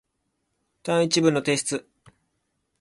単一文の提出